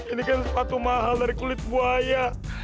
ini kan sepatu mahal dari kulit buaya